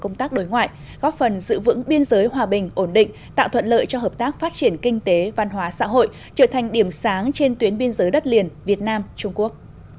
công tác đối ngoại góp phần giữ vững biên giới hòa bình ổn định tạo thuận lợi cho hợp tác phát triển kinh tế văn hóa xã hội trở thành điểm sáng trên tuyến biên giới đất liền việt nam trung quốc